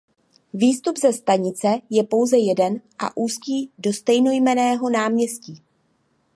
Výstup ze stanice je pouze jeden a ústí do stejnojmenného náměstí.